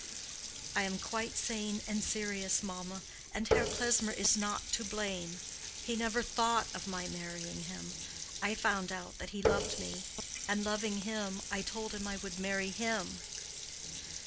"I am quite sane and serious, mamma, and Herr Klesmer is not to blame. He never thought of my marrying him. I found out that he loved me, and loving him, I told him I would marry him."